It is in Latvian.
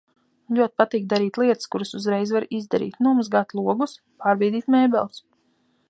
Man ļoti patīk darīt lietas, kuras uzreiz var izdarīt. Nomazgāt logus. Pārbīdīt mēbeles.